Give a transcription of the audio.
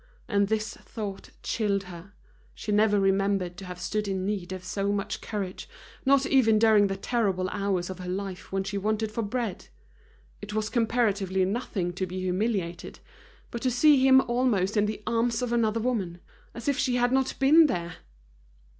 And this thought chilled her; she never remembered to have stood in need of so much courage, not even during the terrible hours of her life when she wanted for bread. It was comparatively nothing to be humiliated, but to see him almost in the arms of another woman, as if she had not been there!